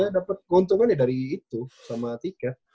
dapat keuntungan ya dari itu sama tiket